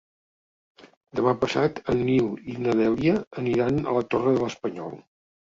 Demà passat en Nil i na Dèlia aniran a la Torre de l'Espanyol.